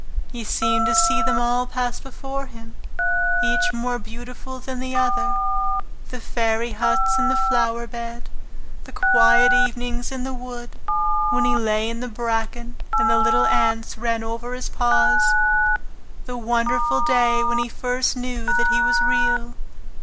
He seemed to see them all pass before him, each more beautiful than the other, the fairy huts in the flower bed, the quiet evenings in the wood when he lay in the bracken and the little ants ran over his paws; the wonderful day when he first knew that he was Real.